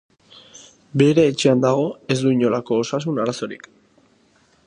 Bere etxean dago, ez du inolako osasun arazorik.